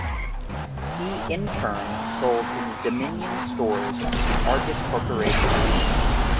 He in turn sold Dominion Stores to Argus Corporation.